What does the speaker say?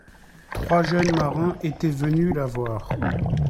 trois jeunes marins étaient venus la voir.